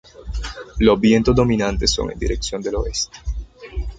Los vientos dominantes son en dirección del oeste.